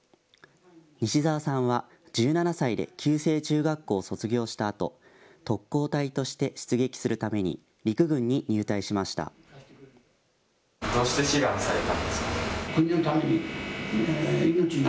西澤さんは１７歳で旧制中学校を卒業したあと特攻隊として出撃するために陸軍に入隊しました。